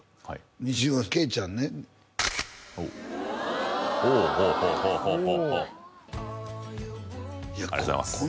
錦織圭ちゃんねおおほうほうほうありがとうございますいや